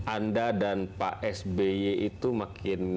anda dan pak sby itu makin